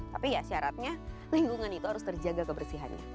tapi ya syaratnya lingkungan itu harus terjaga kebersihannya